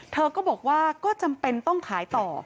เธอก็บอกว่าก็จำเป็นต้องขายต่อ